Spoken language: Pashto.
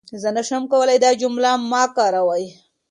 زه نشم کولای دا جمله مه کاروئ.